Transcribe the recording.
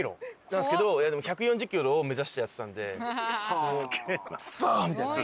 なんですけど１４０キロを目指してやってたんでくそっ！みたいな。